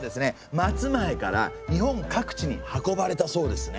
松前から日本各地に運ばれたそうですね。